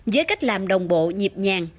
với cách làm đồng bộ nhịp nhàng